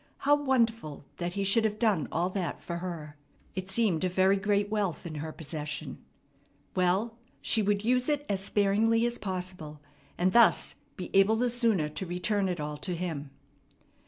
How wonderful that he should have done all that for her! It seemed a very great wealth in her possession. Well, she would use it as sparingly as possible, and thus be able the sooner to return it all to him.